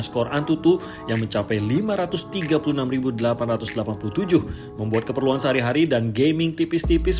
skor antutu yang mencapai lima ratus tiga puluh enam delapan ratus delapan puluh tujuh membuat keperluan sehari hari dan gaming tipis tipis